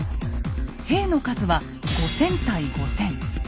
兵の数は５，０００対５，０００。